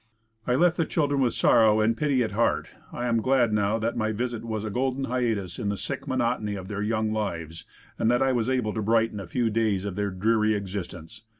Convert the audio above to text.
I left the children with sorrow and pity at heart. I am glad now that my visit was a golden hiatus in the sick monotony of their young lives, and that I was able to brighten a few days of their dreary existence.